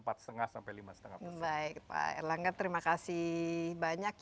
baik pak erlangga terima kasih banyak